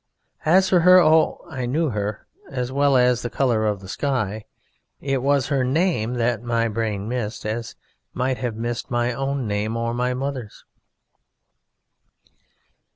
As for her, oh, I knew her as well as the colour of the sky: it was her name that my brain missed, as it might have missed my own name or my mother's.